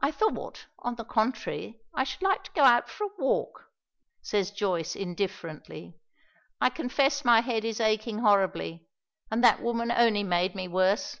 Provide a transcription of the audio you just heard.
"I thought, on the contrary, I should like to go out for a walk," says Joyce indifferently. "I confess my head is aching horribly. And that woman only made me worse."